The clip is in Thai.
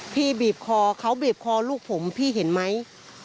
บีบคอเขาบีบคอลูกผมพี่เห็นไหม